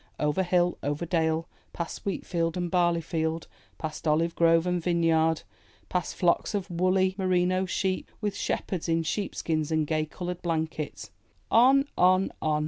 Over hill, over dale, past wheat field and barley field, past olive grove and vineyard, past flocks of woolly, merino sheep, with shepherds in sheepskins and gay colored blankets, — on, on, on